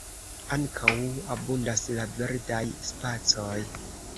Ankaŭ abundas la verdaj spacoj.